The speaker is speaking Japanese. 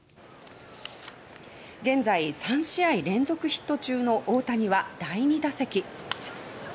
現在３試合連続ヒット中の大谷は第２打席。